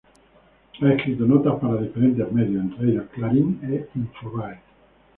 Ha escrito notas para diferentes medios, entre ellos "Clarín" e "Infobae".